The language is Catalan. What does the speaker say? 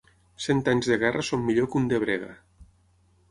Cent anys de guerra són millor que un de brega.